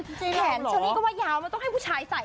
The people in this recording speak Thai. แขนเชอรี่ก็ว่ายาวมันต้องให้ผู้ชายใส่